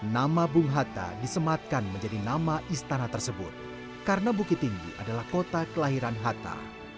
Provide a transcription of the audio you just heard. nama bung hatta disematkan menjadi nama istana tersebut karena bukit tinggi adalah kota kelahiran hatta